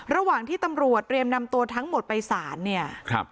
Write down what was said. ระหว่างที่ตำรวจเตรียมนำตัวทั้งหมดไปสารเนี่ยครับ